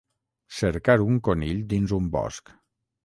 Cercar un conill dins un bosc.